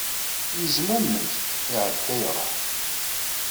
Yezmummeg, iɛedda iruḥ.